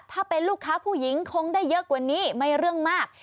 ถ้าเป็นลูกค้าผู้หญิงคงได้เยอะกว่านี้ไม่เรื่องมาก